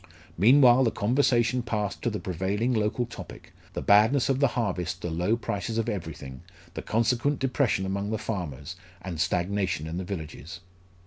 Meanwhile the conversation passed to the prevailing local topic the badness of the harvest, the low prices of everything, the consequent depression among the farmers, and stagnation in the villages.